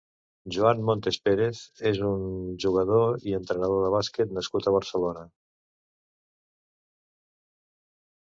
Joan Montes Pérez és un exjugador i entrenador de bàsquet nascut a Barcelona.